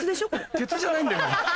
鉄じゃないんだよね。